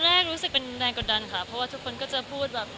แรกรู้สึกเป็นแรงกดดันค่ะเพราะว่าทุกคนก็จะพูดแบบ